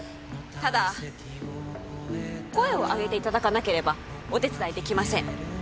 ただ声を上げていただかなければお手伝いできません